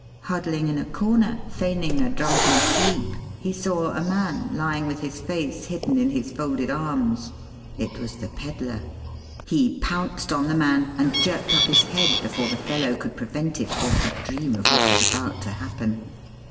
Huddling in a corner, feigning a drunken sleep, he saw a man lying with his face hidden in his folded arms. It was the pedler. He pounced on the man and jerked up his head before the fellow could prevent it or could dream of what was about to happen.